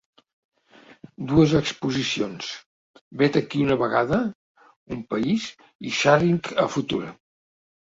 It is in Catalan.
Dues exposicions: ‘Vet aquí una vegada, un país’ i ‘Sharing a Future’